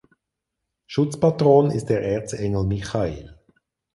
Schutzpatron ist der Erzengel Michael.